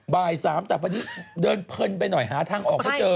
บ่าย๓แต่วันนี้เดินเพลินไปหน่อยหาทางออกไม่เจอ